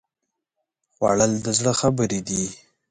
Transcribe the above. خوړل د زړه خبرې دي